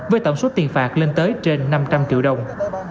với tổng số tiền phạt lên tới trên năm trăm linh triệu đồng